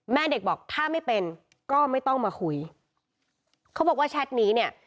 แม่เด็กบอกถ้าไม่เป็นก็ไม่ต้องมาคุยเขาบอกว่าแชทนี้เนี่ย